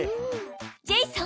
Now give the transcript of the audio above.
ジェイソン！